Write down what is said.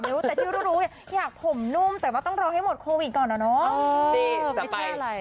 ไม่รู้แต่ที่รู้รู้อย่างอยากผมนุ่มแต่ว่าต้องรอให้หมดโควิดก่อนเหรอเนอะ